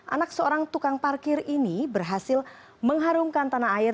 anak seorang tukang parkir ini berhasil mengharumkan tanah air